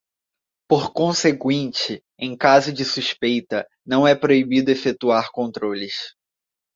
Por conseguinte, em caso de suspeita, não é proibido efetuar controles.